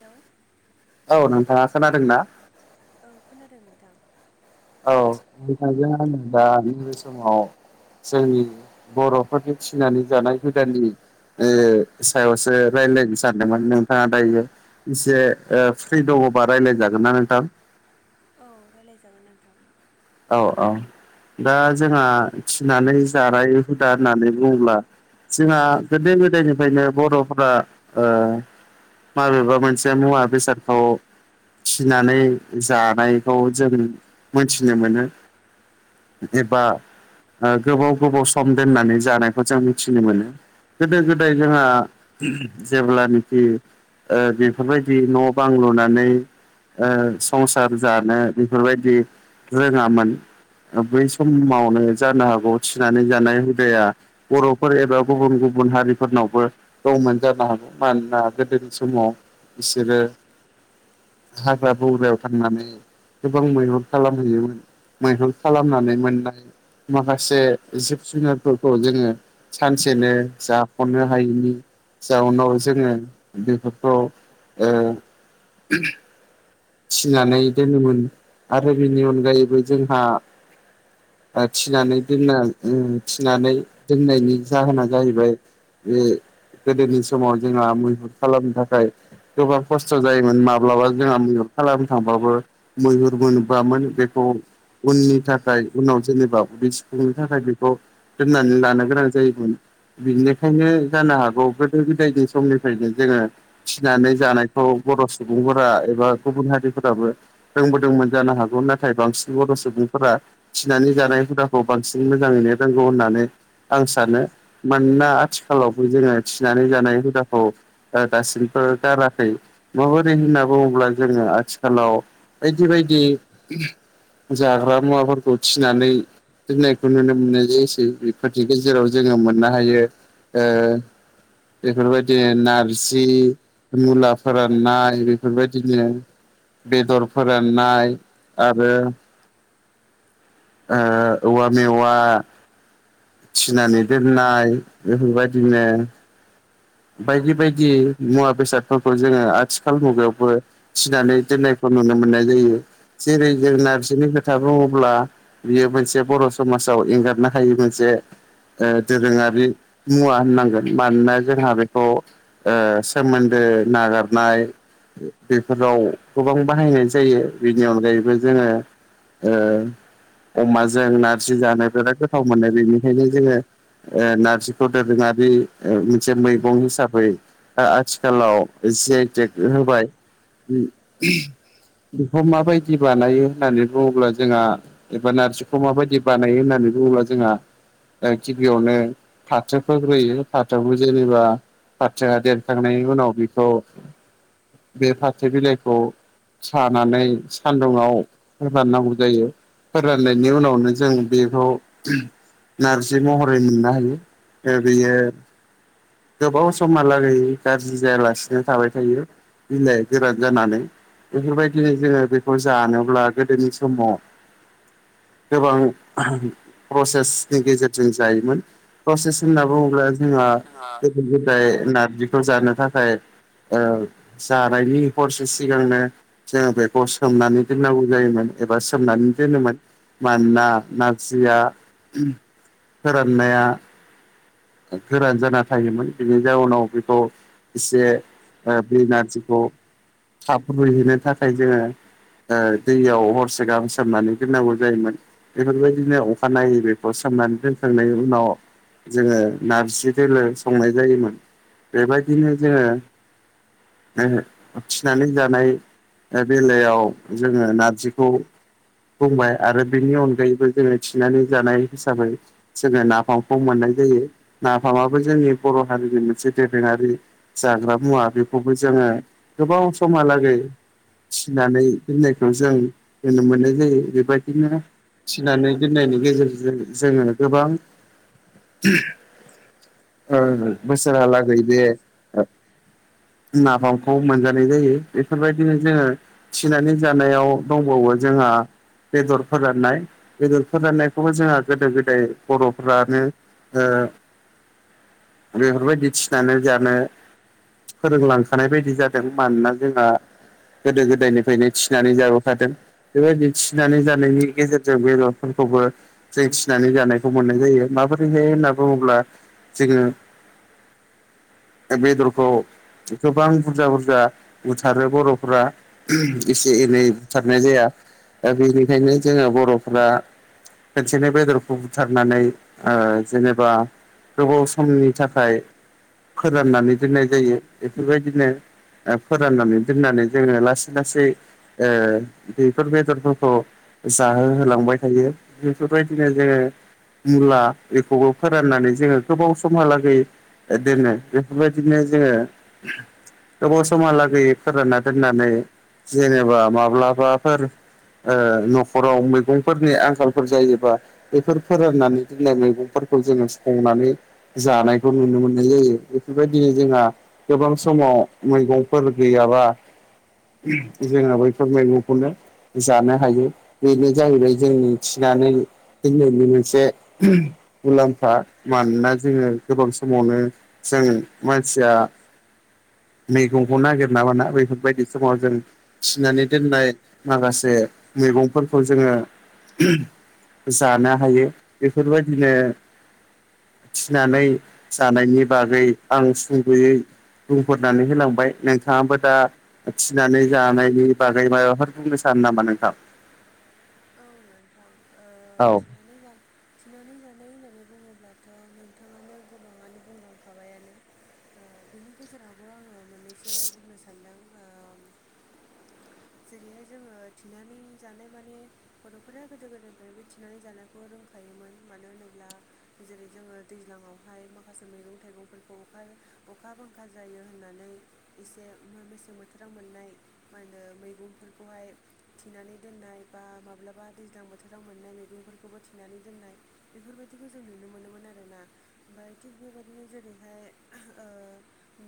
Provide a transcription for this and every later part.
हेल' औ नोंथाङा खोनादों ना औ खोनादों नोंथां औ नोंथांजों आंङो दा नै बे समाव जोंनि बर'फोरजों फिनानै जानाय गोदाननि ओ सायावसो रायज्लायनो सानदोंमोन नोंथाङा दायो इसे ओ फ्रि दङबा रायलायजागोन ना नोंथां? औ रायलायजागोन नोंथां औ औ दा जोंहा फिनानै जानाय हुदा होननानै बुङोब्ला जोंहा गोदो गोदायनिफ्रायनो बर'फोरा ओ माबेबा मोनसे मुवा बेसादखौ फिनानै जानायखौ जों नुनो मोनो एबा ओ गोबाव गोबाव सम दोननानै जानायखौ जों मिथिनो मोनो गोदो गोदाय जोंहा जेब्लानोखि ओ बेफोरबायदि न' बां लुनानै ओ संसार जानो बेफोरबायदि रोङामोन बै समावनो जानो हागौ थिनानै जानाय हुदाया बर'फोर एबा गुबुन गुबुन हारिफोरनावबो दंमोन जानो हागौ मानोना गोदोनि समाव बिसोरो हाग्रा बंग्रायाव थांनानै गोबां मैहुर खालामहैयोमोन मैहुर खालामनानै मोननाय माखासे जिब जुनारफोरखौ जोङो सानसेनो जाख'नो हायिनि जाउनाव जोङो बेफोरखौ ओ फिनानै दोनोमोन आरो बेनि अनगायैबो जोंहा ओ थिनानै दोननाय उम थिनानै दोननायनि जाहोना जाहैबाय बे गोदोनि समाव जोंहा मैहुर खालामनो थाखाय गोबां खस्थ' जायोमोन माब्लाबा जोंहा मैहुर खालामनो थांबाबो मैहुर मोनबोयामोन बेखौ उननि थाखाय उनाव जेनेबा बे सिफुंनि थाखाय बेखौ होननानै लानो गोनां जायोमोन बिनिखायनो जानो हागौ गोदो गोदायनि समनिफ्रायनो जोङो फिनानै जानायखौ बर' सुबुंफोरा एबा गुबुन हारिफोराबो फोरोंबोदोंमोन जानो हागौ नाथाय बांसिन बर' सुबुंफोरा थिनानै जानाय हुदाखौ बांसिन मोजाङैनो रोंगौ होननानै आं सानो मानोना आथिखालावबो जोङो थिनानै जानाय हुदाखौ ओ दासिमबो गाराखै माबोरै होनना बुङोब्ला जोङो आथिखालाव बायदि बायदि जाग्रा मुवाफोरखौ थिनानै दोननायखौ नुनो मोननाय जायोसै बेफोरनि गेजेराव जोङो मोननो हायो ओ बेफोरबायदि नारजि मुला फोराननाय बेफोरबायदि बिदिनो बेदर फोराननाय आरो ओ औवा मेवा थिनानै दोननाय बेफोरबायदिनो बायदि बायदि मुवा बेसादफोरखौ जोङो आथिखाल मुगायावबो फिनानै दोननायखौ नुनो मोननाय जायो जेरै जों नारजिनि खोथा बुङोब्ला बियो मोनसे बर' समाजाव एंगारनो हायि मोनसे दोरोङारि मुवा होननांगोन मानोना जोंहा बेखौ सोमोन्दो नागारनाय बेफोराव गोबां बाहायनाय जायो बेनि अनगायैबो जोङो ओ अमाजों नारजि जानो बिराद गोथाव मोनो बेनिखायनो जोङो नारजिखौ दोरोङारि मोनसे मैगं हिसाबै आथिखालाव जेटे होबाय बेखौ माबायदि बानायो होननानै बुङोब्ला जोंहा एबा नारजिखौ माबायदि बानायो होननानै बुङोब्ला जोंहा दा गिबियावनो फाथोफोरग्रोयो फाथोबो जेनेबा फाथोआ देरखांनायनि उनाव बेखौ बे फाथो बिलाइखौ सानानै सान्दुुंआव फोराननांगौ जायो फोराननायनि उनावनो जों बेखौ नारजि महरै मोननो हायो बेयो गोबाव समहालागै गाज्रि जायालासिनो थाबाय थायो बिलाइ गोरान जानानै बेफोरबायदिनो जोङो बेखौ जानोब्ला गोदोनि समाव गोबां प्रसेसनि गेजेरजों जायोमोन प्रसेस होनना बुङोब्ला जोंहा गोदो गोदाय नारजिखौ जानो थाखाय औ जानायनि हरसे सिगांनो जोङो बेखौ सोमनानै दोननांगौ जायोमोन एबा सोमनानै दोनोमोन मानोना नारजिया फोराननाया गोरान जाना थायोमोन बेनि जाउनाव बेथ' एसे बेनारजिखौ थाब रुहैनो थाखाय जोङो दैयाव हरसे गाहसोमनानै दोननांगौ जायोमोन बेफोरबायदिनो अखाानायनायै बेखौ सोमनानै दोनखांनायनि उनाव जोङो नारजि दोलो संनाय जायोमोन बेबायदिनो जोङो फिनानै जानाय बेलायाव जोङो नारजिखौ बुंबाय आरो बेनि अनगायैबो जोङो थिनानै जानाय हिसाबै जोङो नाफामखौ मोननाय जायो नाफामाबो जोंनि बर' हारिनि मोनसे दोरोङारि जाग्रा मुवा बेखौबो जोङो गोबाव समा लागै फिनानै दोननायखौ जों नुनो मोनो ज बेबायदिनो फिनानै दोननायनि गेजेरजों जोङो गोबां बोसोरहाालागै बे नाफामखौ मोनजानाय जायो बेफोरबायदिनो जोङो थिनानै जानायाव दंबावो जोंहा बेदर फोराननाय बेदर फोराननायखौबो जोंहा गोदो गोदाय बर'फ्रानो बेफोरबायदि थिनानै जानो फोरोंलांखानाय बायदि जादों मानोना जोंहा गोदो गोदायनिफ्रायनो थिनानै जाबोखादों बेबायदि थिनानै जानायनि गेजेरजों बे न'फोरखौबो जों थिनानै जानायखौ मोननाय जायो माबोरैहाय होनना बुङोब्ला जोङो बेदरखौ गोबां बुरजा बुरजा बुथारो बर'फोरा एसे एनै बुथारनाय जाया दा बेनिखायनो जोङो बर'फ्रा खोनसेनि बेदरखौ बुथारनानै जेनेबा गोबाव समनि थाखाय फोराननानै दोननाय जायो बेफोरबायदिनो फोराननानै दोननानै जोङो लासै लासै बेफोर बेदर औ जाहोहोलांबाय थायो बेफोरबायदिनो जोङो मुला बेखौबो फोराननानै जोङो गोबाव समहालागै दोनो बेफोरबायदिनो जोङो गोबाव समहालागै फोरानना दोननानै जेनेबा माब्लाबाफोर ओ न'खराव मैगंफोरनि आंखालफोर जायोबा बेफोर फोराननानै दोन्लाय मैगंफोरखौ जोङो संनानै जानायखौ नुनो मोननाय जायो बेफोरबायदिनो जोंहा गोबां समाव मैगंफोर गैयाबा जोङो बैफोर मैगंखौनो जानो हायो बेनो जाहैबाय जों थिनानै खिन्थु बे मोनसे ओहोम मुलाम्फा। मानोना जोङो गोबां समावनो जों मानसिया मैगंखौ नागिर नाबाना बेफोरबायदि समाव जों फिनानै दोननाय माखासे मैगंफोरखौ जोङो जानो हायो। बेफोरबायदिनो थिनानै जानायनि बागै आं सुंद'यै बुंफोरनानै होलांबाय। नोंथाङाबो दा थिनानै जानायनि बागै माबाफोर बुंनो सानो नामा नोंथां? औ नोंथां ओ औ थिननानै जानो थिनानै जानाय होननानै बुङोब्लाथ' नोंथाङानो गोबाङानो बुंलांखाबायानो। ओ बिनि गेजेरावबो आङो मोननैसो बुंनो सानदों। जेरैहाय जोङो थिनानै जानाय माने बर'फोरा गोदो गोदायनिफ्रायबो थिनानै जानायखौ रोंखायोमोन मानो होनोब्ला जेरै जोङो दैज्लाङावहाय माखासे मैगं थाइगंफोरखौ अखा अखा बांखा जायो होननानै एसे मेसें बोथोराव मोननाय मा होनो मैगंफोरखौहाय थिनानै दोननाय बा माब्लाबा दैज्लां बोथोराव मोननाय मैगंफोरखौबो थिनानै दोननाय बेफोरबायदिखौ जों नुनो मोनोमोन आरोना। ओमफ्राय थिग बेबायदिनो जेरैहाय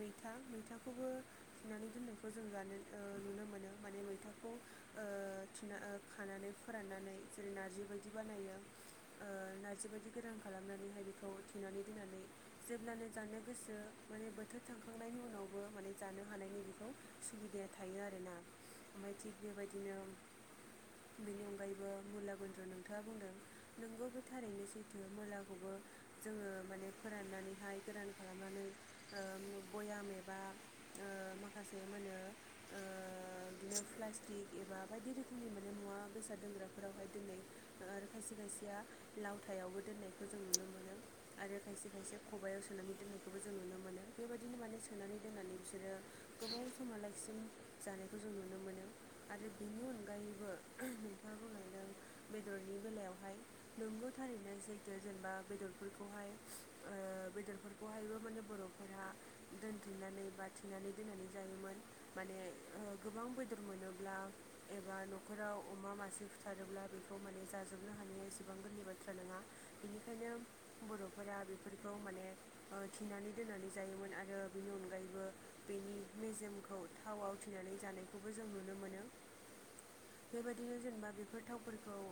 मैथा मैथाखौबो नानै दोन्नायखौ जों जानो ओ नुनो मोनो माने मैथाखौ ओ थिना ओ खानानै फोराननानै जेरै नारजि बायदि बानायो। ओ नार्जि बायदि गदान खालामनानैहाय बेखौ थिनानै दोननानै जेब्लानो जानो गोसो माने बोथोर थांखांनायनि उनावबो माने जानो हानायनि बेखौ सुबिदाया थायो आरोना। ओमफ्राय थिग बेबायदिनो बेनि गायबो मुला गुन्द्र नोंथाङा बुंदों नोंगौ बे थारैनो सैथो मुलाखौबो जोङो माने फोराननानैहाय गोरान खालामनानै ओ बयाम एबा ओ माखासे मा होनो ओ बिदिनो प्लास्टिक एबा बायदि रोखोमनि माने मुवा दैसा दोनग्राफोरावहाय दिनै आरो खायसे खायसेया लावथायावबो दोननायखौ जों नुनो मोनो। आरो खायसे खायसे खबायाव सोनानै दोननायखौबो जों नुनो मोनो। बेबायदिनो माने सोनानै दोननानै बिसोरो गोबाव समहालागसिम जानायखौ जों नुनो मोनो आरो बेनि अनगायैबो ओहो नोंथाङा बुंलदों बेदरनि बेलायावहाय नंगौ थारैनो जैथु जेनेबा बेदरफोरखौहाय ओ बेदरफोरखौहायबो माने बर'फोरा दोनथुमनानै बा थिनानै दोननानै जायोमोन। माने ओ गोबां बेदर मोनोब्ला एबा न'खराव अमा मासे फुथारोब्ला बेखौ माने जाजोबनो हानाया एसेबां गोरलै बाथ्रा नङा। बेनिखायनो बर'फोरा बेफोरखौ माने थिनानै दोननानै जायोमोन आरो बेनि अनगायैबो बेनि मेजेमखौ थाव आवथिनानै जानायखौबो जों नुनो मोनो। बेबायदिनो जेनेबा बेफोर थावफोरखौ ओ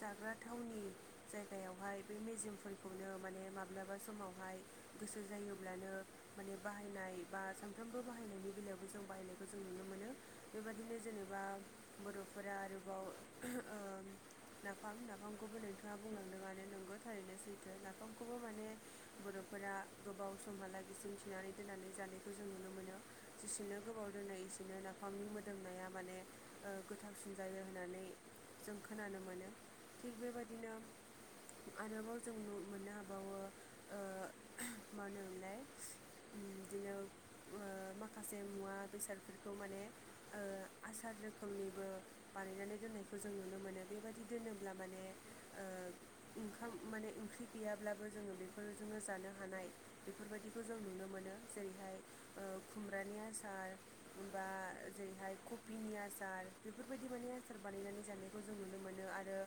जाग्रा थावनि जायगायावहाय बे मेजेमफोरखौनो माने माब्लाबा समावहाय गोसो जायोब्लानो माने बाहायनाय बा सानफ्रोमबो बाहायनायनि बेलायावबो जों बाहायनायखौ जों नुनो मोनो। बेबादिनो जेनेबा बर'फोरा आरोबाव नाफाम नाफामखौबो नोंथाङा बुंलांदों माने नोंगौ थारैनो सैथो नाफामखौबो माने बर'फोरा गोबाव समहालागैसिम थिनानै दोननानै जानायखौ जों नुनो मोनो। जेसेनो गोबाव दोनो इसेनो नाफामनि मोदोमनाया माने ओ गोथावसिन जायो होननानै जों खोनानो मोनो। थिग बेबायदिनो आरोबाव जों नु मोननो हाबावो ओ मा होनोमोनलाय उम बिदिनो ओ माखासे मुवा बेसादफोरखौ माने ओ आसार रो खोमनिबो बानायनानै दोननायखौ जों नुनो मोनो। बेबायदि दोनोब्ला माने ओ ओंखाम माने ओंख्रि गैयाब्लाबो जोङो बेफोरजोंनो जानो हानाय बेफोरबायदिखौ जों नुनो मोनो। जेरैहाय ओ खुमब्रानि आसार बा जेरैहाय कपिनि आस सार बेफोरबायदि माने आसार बानायनानै जानायखौ जों नुनो मोनो आरो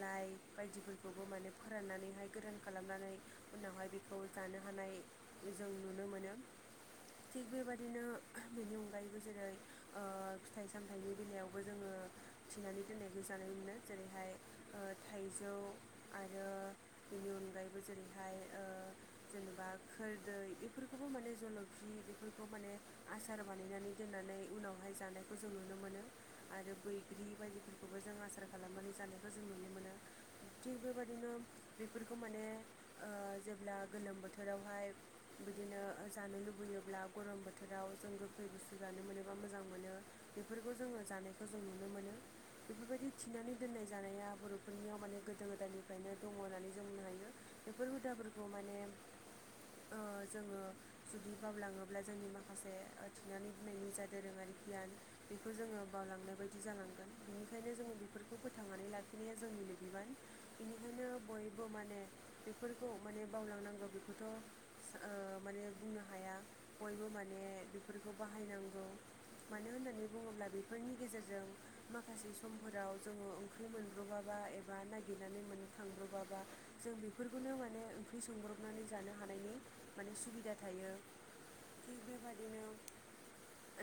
लाइ बायदिफोरखौबो माने फोराननानैहाय गोरान खालामनानै उनावहाय बेखौ जानो हानाय जों नुनो मोनो। थिग बेबाददिनो बेनि अनगायैबो जेरै ओ फिथाइ साम थाइनि बेलायावबो जोङो थिनानै दोन्नाय खौ जानाय मोनो। जेरैहाय ओ थाइजौ आरो बेनि अनगायैबो जेरैहाय ओ जेनेबा खोरदै बेफोरखौबो माने जलफि बेफोरखौ माने आसार बानायनानै दोननानै उनावहाय जानायखौ जों नु नो मोनो आरो बैग्रि बायदिफोरखौबो जों आसार खालामनानै जानायखौ जों नुनो मोनो। थिग बेबायदिनो बेफोरखौ माने ओ जेब्ला गोलोम बोथोरावहाय बिदिनो जानो लुबैयोब्ला गरम बोथोराव जों गोखै बुस्थु जानो मोनोबा मोजां मोनो बेफोरखौ जोङो जानायखौ जों नुनो मोनो। बेफोरबायदि थिनानै दोननाय जानाया बर'फोरनियाव माने गोदो गोदायनिफ्रायनो दङ होननानै जों बुंनो हायो। बेफोर हुदाफोरखौ माने ओ जोङो जुदि बावलाङोब्ला जोंनि माखासे ओ थिनानै गनायनि जा दोरोङारि गियान बेखौ जोङो बावलांनाय बायदि जालांगोन बेनिखायनो जोङो बेफोरखौ फोथांनानै लाखिनाया जोंनिनो बिबान। बेनिखायनो बयबो माने बेफोरखौ माने बावलांनांगौ बेखौथ' ओ माने बुंनो हाया बयबो माने बेफोरखौ बाहायनांगौ। मानो होननानै बुङोब्ला बेफोरनि गेजेरजों माखासे समफोराव जोङो ओंख्रि मोनब्र'बाबा एबा नागिरनानै मोननो थांब्रबाबा जों बेफोरखौनो माने ओंख्रि संब्रबनानै जानो हानायनि माने सुबिदा थायो। थिग बेबादिनो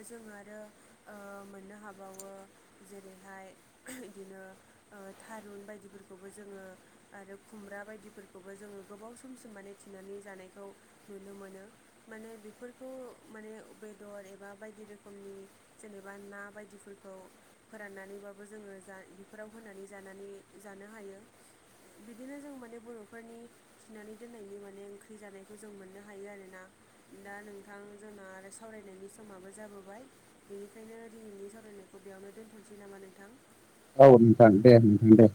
जों आरो ओ मोननो हाबावो जेरैहाय बिदिनो ओ थारुन बायदिफोरखौबो जोङो आरो खुमब्रा बायदिफोरखौबो जोङो गोबाव समसिम माने थिनानै जानायखौ नुनो मोनो। माने बेफोरखौ माने बेदर एबा बायदि रोखोमनि जेनोबा ना बायदिफोरखौ फोराननानैबाबो जोङो जा बेफोराव होनानै जानानै जानो हायो। बिदिनो जों माने बर'फोरनि फिनानै दोननायनि माने ओंख्रि जानायखौ जों मोननो हायो आरोना। दा नोंथां जोंना आरो सावरायनायनि समाबो जाबोबाय। बेनिखायनो दिनैनि सावरायनायखौ बेयावनो दोनथ'नोसै नामा नोंथां औ नोंथां दे नोंथां दे।